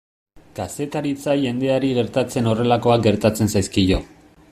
Kazetaritza jendeari gertatzen horrelakoak gertatzen zaizkio.